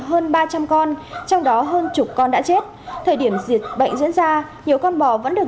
hơn ba trăm linh con trong đó hơn chục con đã chết thời điểm dịch bệnh diễn ra nhiều con bò vẫn được